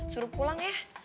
suruh pulang ya